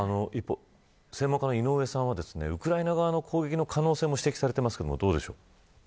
専門家の井上さんはウクライナ側の攻撃の可能性も指摘していますがどうでしょうか。